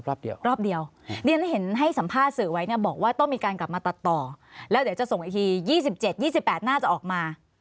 แล้วเดี๋ยวจะส่งอีกที๒๗๒๘น่าจะออกมา